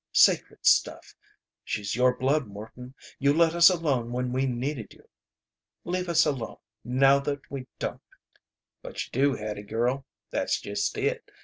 Sacred stuff. She's your blood, Morton. You let us alone when we needed you. Leave us alone, now that we don't!" "But you do, Hattie girl. That's just it.